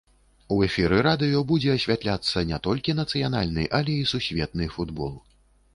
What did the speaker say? У эфіры радыё будзе асвятляцца не толькі нацыянальны, але і сусветны футбол.